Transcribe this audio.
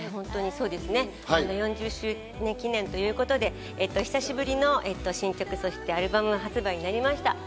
４０周年記念ということで、久しぶりの新曲、そしてアルバム発売となりました。